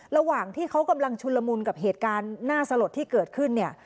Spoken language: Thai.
ระหว่างที่เขากำลังชุนละมุนกับเหตุการณ์น่าสลดที่เกิดขึ้นเนี่ย